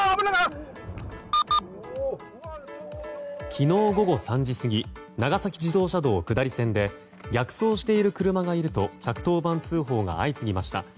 昨日午後３時過ぎ長崎自動車道下り線で逆走している車がいると１１０番通報が相次ぎました。